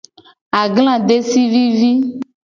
Agla desi vivi.